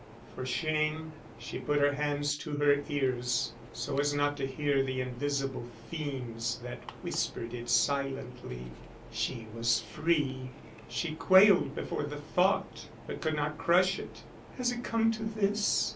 For shame, she put her hands to her ears so as not to hear the invisible fiends that whispered it silently. She was free. She quailed before the thought, but could not crush it. "Has it come to this!"